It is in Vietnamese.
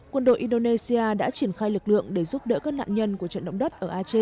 quân đội indonesia đã triển khai lực lượng để giúp đỡ các nạn nhân